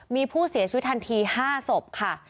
มีผู้เสียชีวิตทันที๕ศพค่ะ